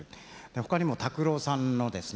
ほかにも拓郎さんのですね